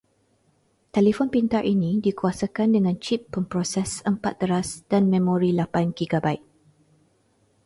Telefon pintar ini dikuasakan dengan chip pemproses empat teras dan memori lapan gigabait.